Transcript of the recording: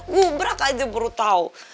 wubrak aja baru tau